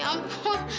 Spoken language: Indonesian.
aduh sedikit sedikit